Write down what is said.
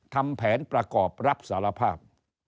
ทำแผนประกอบรับสารภาพ